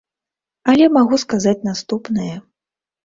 Але магу сказаць наступнае.